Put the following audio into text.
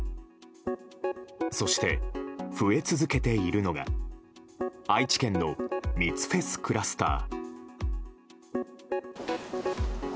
そして、増え続けているのが愛知県の密フェスクラスター。